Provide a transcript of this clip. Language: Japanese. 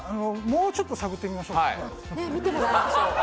もうちょっと探ってみましょうか。